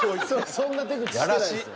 そんな手口してないです。